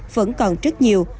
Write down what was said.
vẫn còn rất nhiều